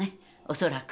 恐らく。